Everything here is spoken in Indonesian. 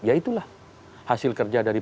ya itulah hasil kerja dari